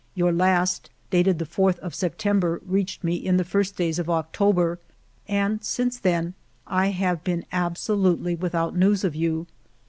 Your last, dated the 4th of September, reached me in the first days of October, and since then I have been absolutely without news of you.